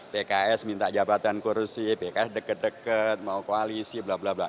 pks minta jabatan kurusi pks deket deket mau koalisi blablabla